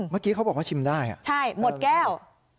เมื่อกี้เขาบอกว่าชิมได้ใช่หมดแก้ว